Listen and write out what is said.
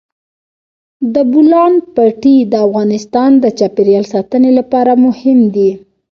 د بولان پټي د افغانستان د چاپیریال ساتنې لپاره مهم دي.